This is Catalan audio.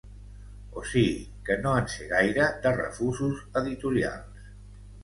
O sigui, que no en sé gaire, de refusos editorials.